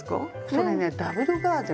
それねダブルガーゼ。